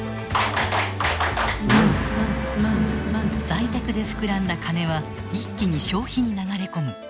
財テクで膨らんだカネは一気に消費に流れ込む。